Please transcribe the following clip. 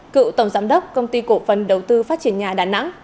cựu tổng giám đốc công ty cổ phần đầu tư phát triển nhà đà nẵng